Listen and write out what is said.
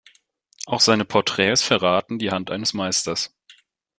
Auch seine Porträts verraten die Hand eines Meisters.